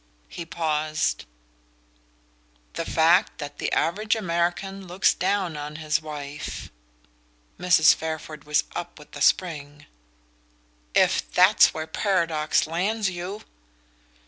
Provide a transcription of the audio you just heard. He paused. "The fact that the average American looks down on his wife." Mrs. Fairford was up with a spring. "If that's where paradox lands you!"